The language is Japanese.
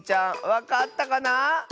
わかったかな？